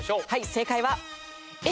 正解はＡ。